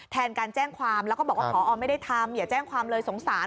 แทนการแจ้งความแล้วก็บอกว่าพอไม่ได้ทำอย่าแจ้งความเลยสงสาร